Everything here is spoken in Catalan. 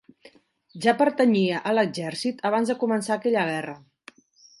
Ja pertanyia a l'exèrcit abans de començar aquella guerra.